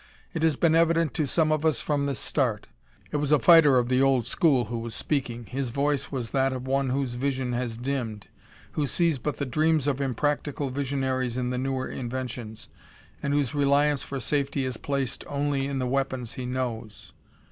It has been evident to some of us from the start." It was a fighter of the old school who was speaking; his voice was that of one whose vision has dimmed, who sees but the dreams of impractical visionaries in the newer inventions, and whose reliance for safety is placed only in the weapons he knows.